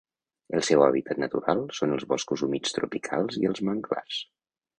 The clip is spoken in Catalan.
El seu hàbitat natural són els boscos humits tropicals i els manglars.